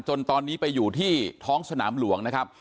จนตอนนี้ไปอยู่ที่ท้องสนามหลวงนะครับ